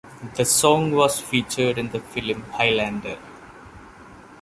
The song was featured in the film "Highlander".